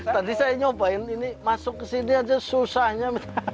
tadi saya nyobain ini masuk ke sini aja susahnya